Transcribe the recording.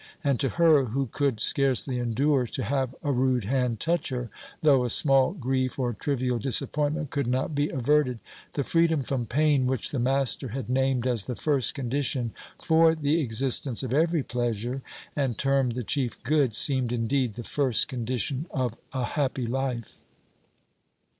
And to her, who could scarcely endure to have a rude hand touch her, though a small grief or trivial disappointment could not be averted, the freedom from pain which the master had named as the first condition for the existence of every pleasure, and termed the chief good, seemed indeed the first condition of a happy life.